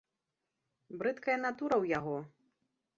Брыдкая натура ў яго!